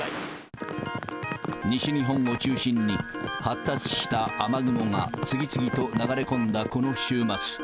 西日本を中心に、発達した雨雲が次々と流れ込んだこの週末。